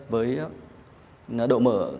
với độ mở